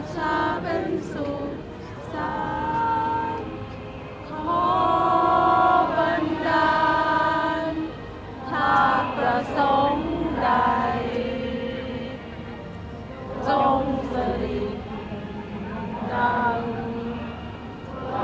มันเป็นสิ่งที่จะให้ทุกคนรู้สึกว่ามันเป็นสิ่งที่จะให้ทุกคนรู้สึกว่า